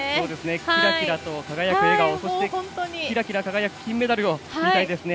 キラキラと輝く笑顔そしてキラキラ輝く金メダルを見たいですね。